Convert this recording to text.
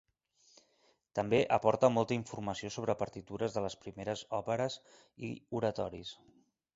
També aporta molta informació sobre partitures de les primeres òperes i oratoris.